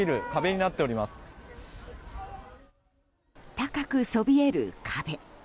高くそびえる壁。